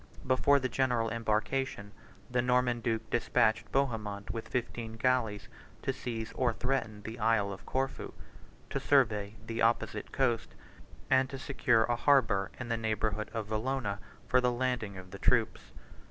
Before the general embarkation, the Norman duke despatched Bohemond with fifteen galleys to seize or threaten the Isle of Corfu, to survey the opposite coast, and to secure a harbor in the neighborhood of Vallona for the landing of the troops.